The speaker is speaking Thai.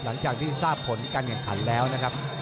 หลังจากที่ทราบผลการแข่งขันแล้วนะครับ